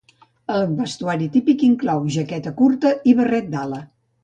El vestuari típic inclou jaqueta curta i barret d'ala.